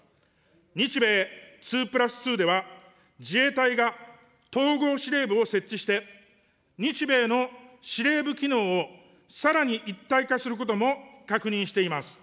日米２プラス２では、自衛隊が統合司令部を設置して、日米の司令部機能をさらに一体化することも確認しています。